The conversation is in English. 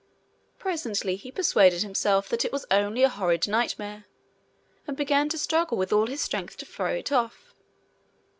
Presently he persuaded himself that it was only a horrid nightmare, and began to struggle with all his strength to throw it off.